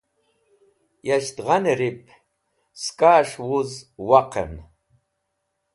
Yasht gha nẽrip saks̃h wuz waqẽm.